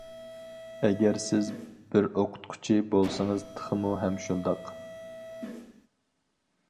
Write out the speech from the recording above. ئەگەر سىز بىر ئوقۇتقۇچى بولسىڭىز تېخىمۇ ھەم شۇنداق!